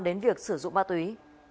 đến việc sử dụng ma túy